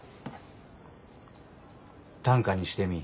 短歌にしてみ。